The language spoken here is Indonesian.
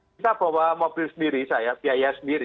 kita bawa mobil sendiri saya biaya sendiri